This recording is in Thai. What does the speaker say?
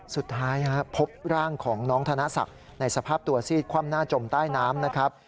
สุดท้ายพบร่างของน้องธนศักดิ์ในสภาพตัวซีดคว่ำหน้าจมใต้น้ำนะครับ